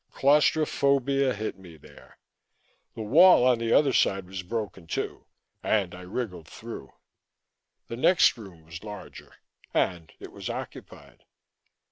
Claustrophobia hit me there; the wall on the other side was broken too, and I wriggled through. The next room was larger; and it was occupied.